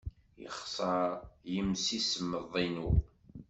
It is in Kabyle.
Yexṣer yimsismeḍ-inu.